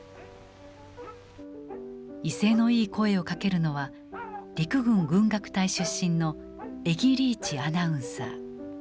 威勢のいい声をかけるのは陸軍軍楽隊出身の江木理一アナウンサー。